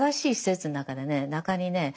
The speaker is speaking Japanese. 中にね